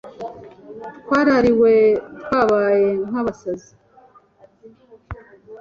Twarariwe, twabaye nk’abasazi,